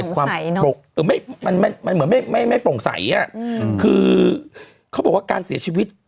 ปรงใสเนอะมันเหมือนไม่ปรงใสอะคือเขาบอกว่าการเสียชีวิต